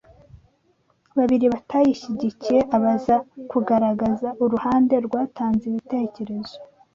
babiri batayishyigikiye abaza kugaragaza uruhande rwatanze ibitekerezo